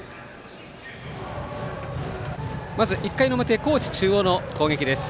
まず１回表、高知中央の攻撃です。